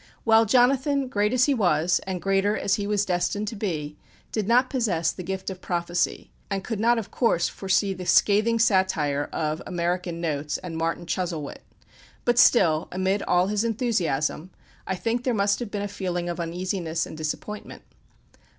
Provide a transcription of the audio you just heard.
Well, Jonathan, great as he was, and greater as he was destined to be, did not possess the gift of prophecy, and could not of course foresee the scathing satire of "American Notes" and "Martin Chuzzlewit." But still, amid all his enthusiasm, I think there must have been a feeling of uneasiness and disappointment.